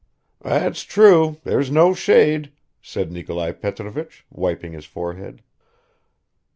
"That's true, there's no shade," said Nikolai Petrovich, wiping his forehead.